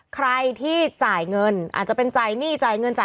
ใครที่จ่ายเงิน